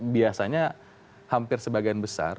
biasanya hampir sebagian besar